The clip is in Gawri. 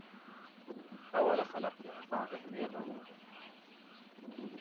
اولہ خلق کۤہ اساں اہمیتاں پتہ نہ آش